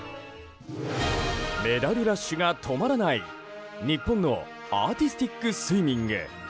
メダルラッシュが止まらない日本のアーティスティックスイミング。